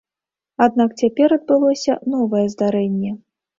Аднак цяпер адбылося новае здарэнне.